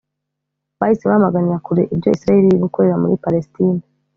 bahise bamaganira kure ibyo Israel iri gukorera muri Palestine